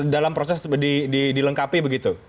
dalam proses dilengkapi begitu